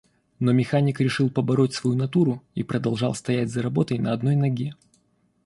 Но механик решил побороть свою натуру и продолжал стоять за работой на одной ноге.